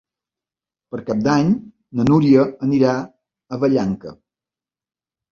Per Cap d'Any na Núria anirà a Vallanca.